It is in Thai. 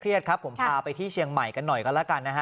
ครับผมพาไปที่เชียงใหม่กันหน่อยกันแล้วกันนะฮะ